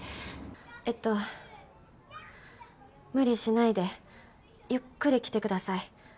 えっと無理しないでゆっくり来てください。